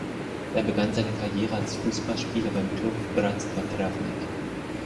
Er begann seine Karriere als Fußballspieler beim Club Bratstvo Travnik.